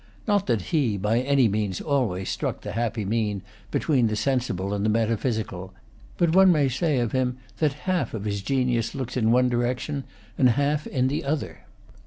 Not that he, by any means always struck the happy mean between the sensible and the metaphysical; but one may say of him that half of his genius looks in one direction and half in the other.